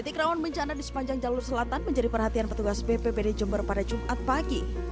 titik rawan bencana di sepanjang jalur selatan menjadi perhatian petugas bppd jum ber pada jum at pagi